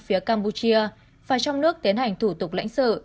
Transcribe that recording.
phía campuchia và trong nước tiến hành thủ tục lãnh sự